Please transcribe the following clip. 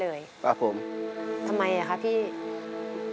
เปลี่ยนเพลงเพลงเก่งของคุณและข้ามผิดได้๑คำ